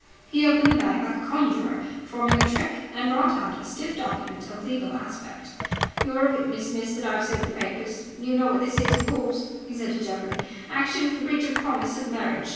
He opened the bag like a conjurer performing a trick, and brought out a stiff document of legal aspect. "You're a witness, miss, that I've served the papers. You know what this is, of course?" he said to Geoffrey. "Action for breach of promise of marriage.